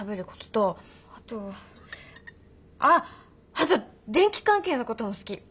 あと電気関係のことも好き。